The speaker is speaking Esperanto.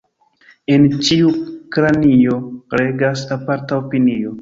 En ĉiu kranio regas aparta opinio.